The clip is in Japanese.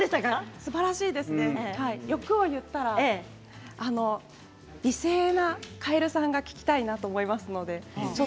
すばらしいです欲を言ったら美声なかえるさんが聴きたいと思います。